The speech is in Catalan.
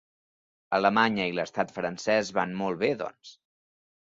Alemanya i l’estat francès van molt bé, doncs.